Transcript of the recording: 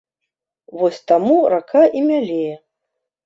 Вось таму рака і мялее.